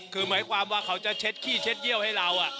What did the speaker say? คือหมายความว่าเขาจะเช็ดขี้เช็ดเยี่ยวให้เรา